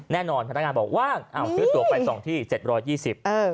แน่นอนพนักงานบอกว่าว่างเอ้าซื้อตัวไป๒ที่๗๒๐บาท